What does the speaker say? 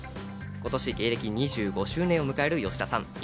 今年芸歴２５周年を迎える吉田さん。